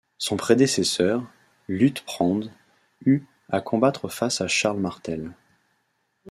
Son prédécesseur, Liutprand, eut à combattre face à Charles Martel.